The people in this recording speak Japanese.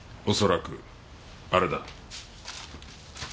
おそらくあれだ。